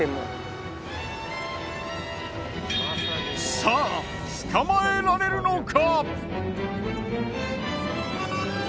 さあ捕まえられるのか！？